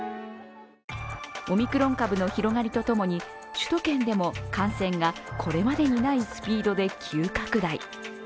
オミクロン株の広がりとともに首都圏でも感染がこれまでにないスピードで急拡大。